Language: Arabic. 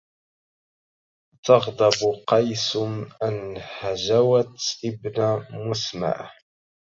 أتغضب قيس أن هجوت ابن مسمع